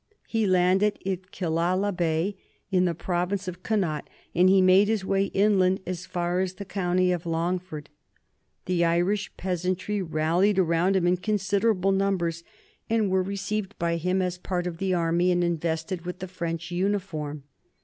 He landed at Killala Bay, in the province of Connaught, and he made his way inland as far as the county of Longford. The Irish peasantry rallied round him in considerable numbers, and were received by him as part of the army and invested with the French uniform.